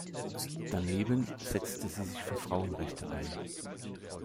Daneben setzte sie sich für Frauenrechte ein.